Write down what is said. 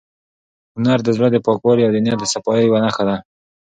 هنر د زړه د پاکوالي او د نیت د صفایۍ یوه نښه ده.